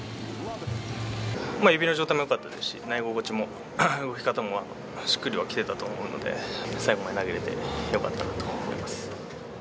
指の状態もよかったですし、投げ心地も動き方もしっくりとはきてたと思うので、最後まで投げれてよかったなと思います。